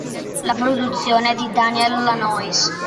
La produzione è di Daniel Lanois.